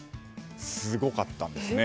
すごかったんですね。